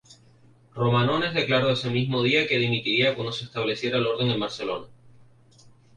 Romanones declaró ese mismo día que dimitiría cuando se restableciera el orden en Barcelona.